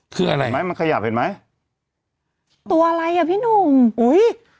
คืออะไรไหมมันขยับเห็นไหมตัวอะไรอ่ะพี่หนุ่มอุ้ย